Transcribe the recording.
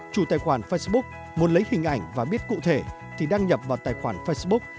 chủ tài khoản facebook muốn lấy hình ảnh và biết cụ thể thì đăng nhập vào tài khoản facebook